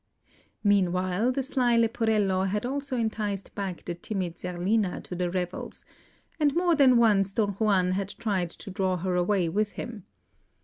Meanwhile, the sly Leporello had also enticed back the timid Zerlina to the revels, and more than once Don Juan had tried to draw her away with him.